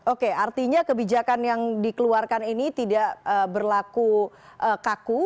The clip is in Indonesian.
oke artinya kebijakan yang dikeluarkan ini tidak berlaku kaku